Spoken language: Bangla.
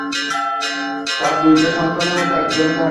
তার দুইটা সন্তানের মধ্যে, একজনকে হারিয়েছে।